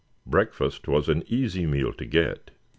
Breakfast was an easy meal to get.